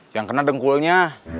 yang kena dengkulnya